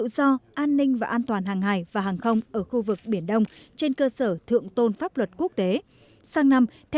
xã bình thạnh huyện bình sơn tỉnh quảng ngãi